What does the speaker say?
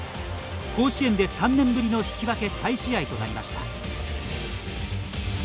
甲子園で３年ぶりの引き分け再試合となりました。